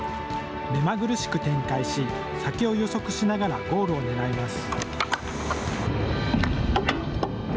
目まぐるしく展開し先を予測しながらゴールを狙います。